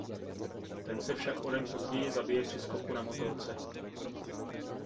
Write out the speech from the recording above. Ten se však o den později zabije při skoku na motorce.